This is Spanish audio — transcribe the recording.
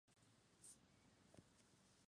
Pertenece al krai de Krasnodar de Rusia.